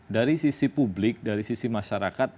dari sisi publik dari sisi masyarakat